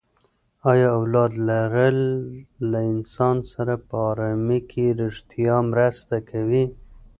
ایا اولاد لرل له انسان سره په ارامي کې ریښتیا مرسته کوي؟